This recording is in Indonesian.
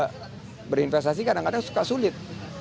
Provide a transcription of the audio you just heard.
kita berinvestasi kadang kadang suka sulit